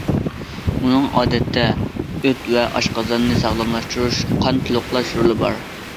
ئۇنىڭ ئادەتتە ئۆت ۋە ئاشقازاننى ساغلاملاشتۇرۇش، قان تولۇقلاش رولى بار.